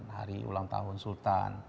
hari ulang tahun sultan